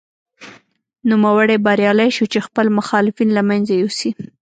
نوموړی بریالی شو چې خپل مخالفین له منځه یوسي.